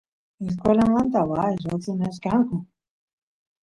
escuelamanta waas lloqsinachkanku